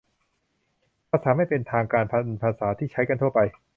ภาษาไม่เป็นทางการเป็นภาษาที่ใช้กันทั่วไป